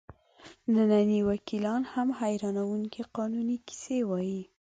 ننني وکیلان هم حیرانوونکې قانوني کیسې وایي.